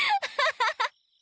ハハハ！